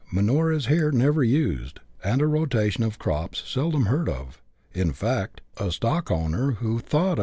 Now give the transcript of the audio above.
Manure is here never used, and a rotation of crops seldom heard of; in fact, a stock owner who thought about CHAP.